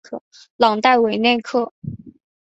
朗代韦内克。